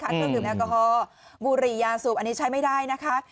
เท่าถึงแนวคอบุหรี่ยาสูบอันนี้ใช้ไม่ได้นะคะ